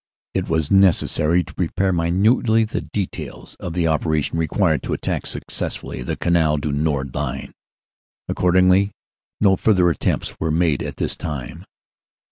"It was necessary to prepare minutely the details of the operation required to attack successfully the Canal du Nord line. Accordingly, no further attempts were made at this time.